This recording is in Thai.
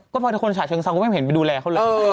ก็พอทุกคนฉายเชิงซ้ำก็ไม่เห็นไปดูแลเขาเลยนะครับเออ